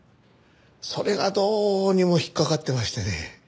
それがどうにも引っかかってましてね。